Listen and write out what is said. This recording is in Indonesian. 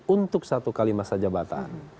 untuk satu kali masa jabatan